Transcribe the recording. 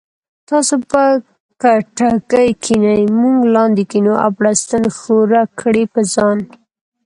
تاسي به کټکی کینې مونږ لاندې کینو او بړستن ښوره کړي په ځان